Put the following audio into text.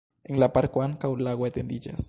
En la parko ankaŭ lago etendiĝas.